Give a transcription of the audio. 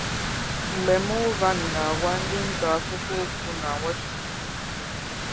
Mgbe Mulvaney na-agwa ndị nta akụkọ okwu na Wọshingtịn